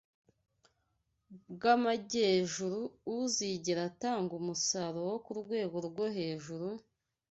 bw’amajyejuru uzigera atanga umusaruro wo ku rwego rwo hejuru